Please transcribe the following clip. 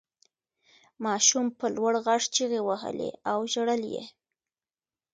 ماشوم په لوړ غږ چیغې وهلې او ژړل یې.